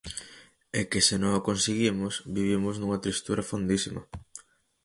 E que se non o conseguimos vivimos nunha tristura fondísima.